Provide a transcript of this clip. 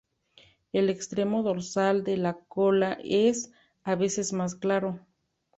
El extremo dorsal de la cola es a veces más claro.